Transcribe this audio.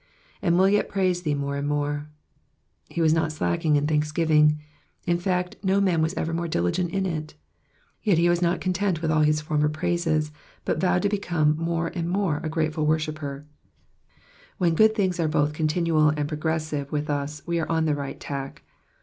"^And trill yet praise thee more artd mare,''^ He was not slack in thanksgiving ; in fhct, no man was ever more diligent in it ; yet he was not content with all his foimer piaises, but Towed to become more and more a grate fal worshipper. When good things are both continuiil and progressive with ns, we are on the right tack.